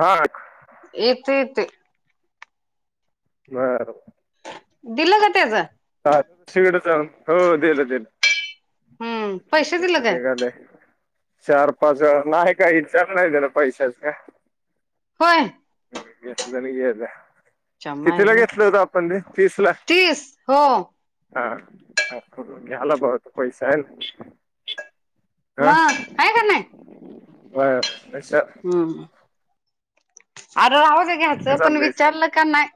हा येते येत. बरं दिलं का त्याज सारखं दुसरीकडं जाऊन हो दिलं दिलं हम्म पैसे दिलं काय [unintelligible] चार पाच हजार नाय काय विचार नाय त्याला पैशाचां होय. हम्म एस्णांनी घेयाचा कितीला चमायला घेतलं होतं आपण ते तीस ला तीस हो हा ह घ्यायला पाहिजे होत पैसान हा मग आहे का नाही व्हा [unintelligible] हम्म अर राऊदे घ्यायचं पण चाललंय विचारलं का नाय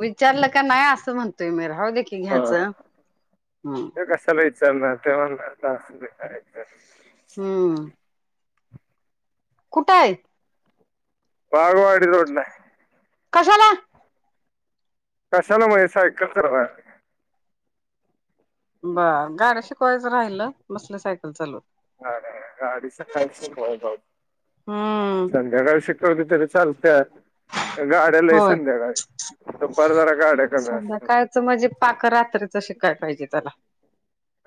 विचारलं का नाय असं म्हणतोय मी रावदे की हा घ्यायचं हम्म ते कसाला इचारणार तेव्हा [unintelligible] हम्म कुठं हाईत बागवाडी रोडला हाय कशाला? कशाला म्हणजे सायकल चालवाय बर गाड्या शिकवायचं राहिलं बसल सायकल चालवत हा काय गाडी सकाळी शिकवायचं जाऊ हम्म काय संध्याकाळी शिक कवली तरी चालत्या गाड्या लय होय संध्याकाळी दुपारी जरा गाड्या कमी असतात. संध्याकाळचं म्हणजे पाक रात्रीच शिकाय पाहिजे त्याला.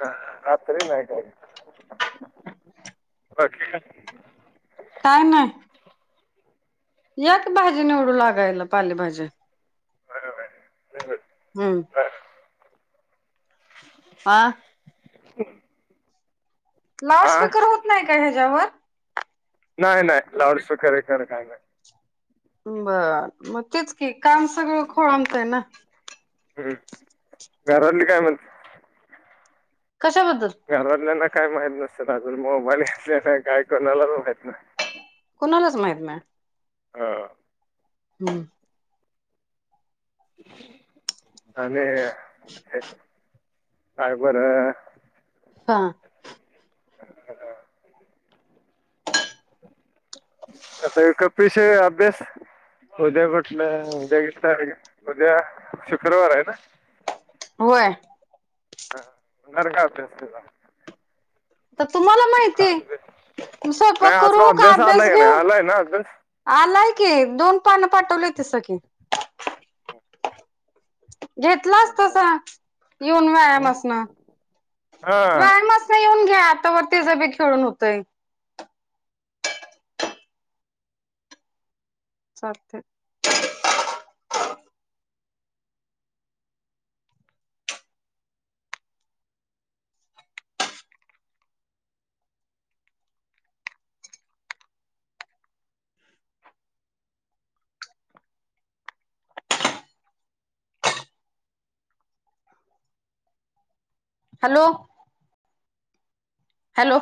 ह रात्री नाही काय बाकी? काय नाय. या की भाजी निवडू लागायला पालेभाज्या बरं, बरं. हम्म ह [inaudible] हां ह [inaudible] लाउडस्पीकर होत नाही का ह्याच्यावर? नाही नाही लाऊड स्पीकर हे खर काही नाही. बरं मग तेच कि काम सगळं खोळंबतय ना. हम्म घरातली काय म्हणती. कशाबद्दल घरातल्यांना काय माहित नसल अजून मोबाईल घेतलेला काय कोणालाच माहीत नाही. कुणालाच माहित नाही. हो हम्म आणि हे काय बर. हां [unintelligible] कसय कपीशय अभ्यास. उद्या म्हटलं एक तारीख उद्या शुक्रवार आहे ना. होय हा घर [unintelligible] तर तुम्हाला माहितीये नाही स्वयंपाक करू असला का अभ्यास आलाय नाही घेऊ. आलाय ना आलाय की दोन पानं पाठवलेत स [unintelligible] की घेतलाच तसा अभ्यास येऊन व्यायाम असन हा व्यायाम अस येऊन घ्या तवर तीच बी खेळून होतय. चालतंय. Hello hello